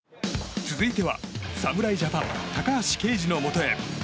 続いては、侍ジャパン高橋奎二のもとへ。